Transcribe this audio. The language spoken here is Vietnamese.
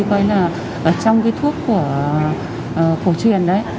coi là trong cái thuốc của truyền đấy